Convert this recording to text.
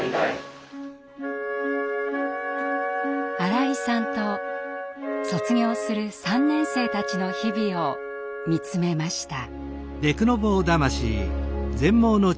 新井さんと卒業する３年生たちの日々を見つめました。